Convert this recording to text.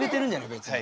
別に。